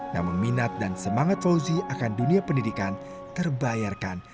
namun minat dan semangat fauzi akan dunia pendidikan terbayarkan